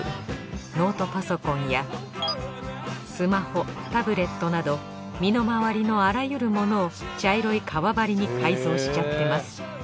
ノートパソコンやスマホタブレットなど身の回りのあらゆるものを茶色い革張りに改造しちゃってます。